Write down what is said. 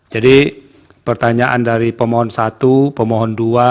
jadi pertanyaan dari pemohon satu pemohon dua